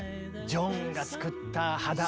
ジョンが作った派だ